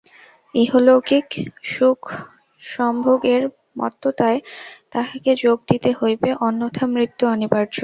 ইহলৌকিক সুখসম্ভোগের মত্ততায় তাহাকে যোগ দিতে হইবে, অন্যথা মৃত্যু অনিবার্য।